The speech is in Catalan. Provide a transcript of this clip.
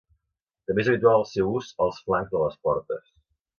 També és habitual el seu ús als flancs de les portes.